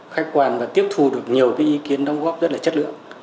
khách quan và tiếp thu được nhiều cái ý kiến đóng góp rất là chất lượng